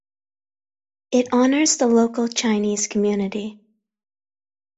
It honors the local Chinese community.